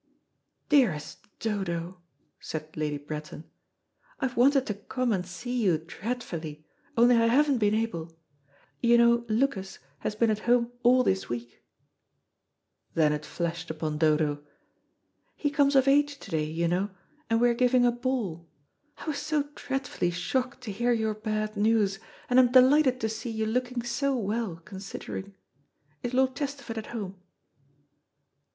"Dearest Dodo," said Lady Bretton, "I have wanted to come and see you dreadfully, only I haven't been able. You know Lucas has been at home all this week." Then it flashed upon Dodo. "He comes of age to day, you know, and we are giving a ball. I was so dreadfully shocked to hear your bad news, and am delighted to see you looking so well considering. Is Lord Chesterford at home?"